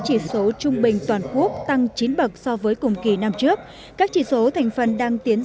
chỉ số trung bình toàn quốc tăng chín bậc so với cùng kỳ năm trước các chỉ số thành phần đang tiến